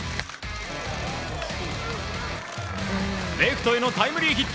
レフトへのタイムリーヒット！